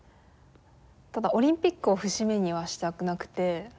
ただオリンピックを節目にはしたくなくて。